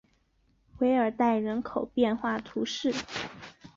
韦尔代人口变化图示